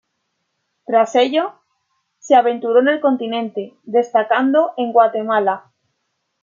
Tras ello, se aventuró en el continente, destacando en Guatemala.